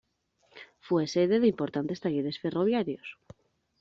Fue sede de importantes talleres ferroviarios.